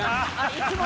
いつもの。